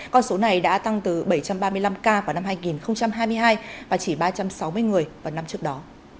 con số này đã tăng từ bảy trăm ba mươi năm ca vào năm hai nghìn hai mươi hai và chỉ ba trăm sáu mươi người vào năm trước đó